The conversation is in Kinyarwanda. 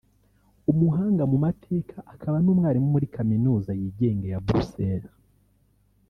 umuhanga mu mateka akaba n’umwarimu muri Kaminuza yigenga ya Bruxelles